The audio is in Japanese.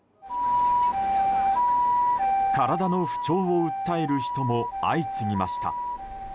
体の不調を訴える人も相次ぎました。